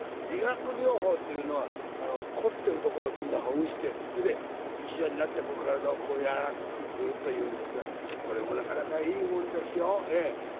理学療法というのは凝ってるところをみんなほぐして一緒になって体を柔らかくするというんですがこれもなかなかいいもんですよ。